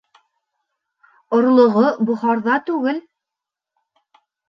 Орлоғо Бохарҙа түгел.